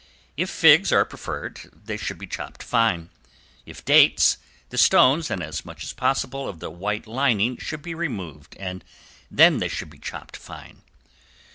If figs are preferred they should be chopped fine. If dates, the stones and as much as possible of the white lining should be removed and then they should be chopped fine.